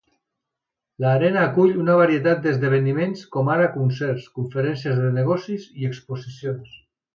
L'arena acull una varietat d'esdeveniments como ara concerts, conferències de negocis i exposicions.